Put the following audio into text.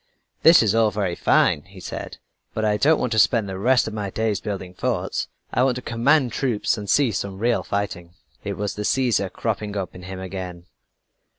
"This is all very fine," he said; "but I don't want to spend the rest of my days building forts. I want to command troops and see some real fighting." It was the Caesar cropping up in him again.